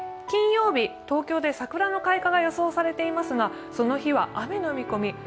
金曜日、東京で桜の開花が予想されていますがその日は雨の見込み。